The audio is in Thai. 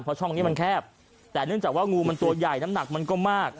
เพราะช่องนี้มันแคบแต่เนื่องจากว่างูมันตัวใหญ่น้ำหนักมันก็มาก